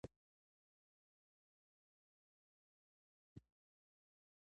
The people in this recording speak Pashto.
مکسیکو خپلې ژمنې نه دي پوره کړي.